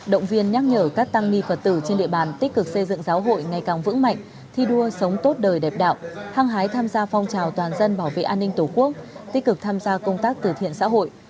động viên nhắc nhở các tăng ni phật tử trên địa bàn tích cực xây dựng giáo hội ngày càng vững mạnh thi đua sống tốt đời đẹp đạo hăng hái tham gia phong trào toàn dân bảo vệ an ninh tổ quốc tích cực tham gia công tác từ thiện xã hội